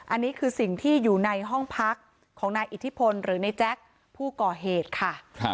อันนี้คือสิ่งที่อยู่ในห้องพักของนายอิทธิพลหรือในแจ๊คผู้ก่อเหตุค่ะ